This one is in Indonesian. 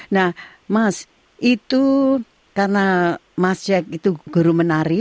nah mas itu karena mas jack itu guru menari